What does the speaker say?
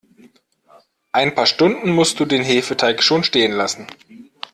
Ein paar Stunden musst du den Hefeteig schon stehen lassen.